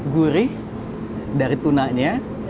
gurih dari tunanya